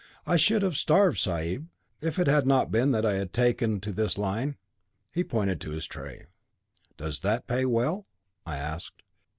I should have starved, sahib, if it had not been that I had taken to this line'; he pointed to his tray. 'Does that pay well?' I asked.